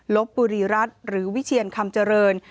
ลบบุรีรัฐหรือวิเชียนคำเจริญ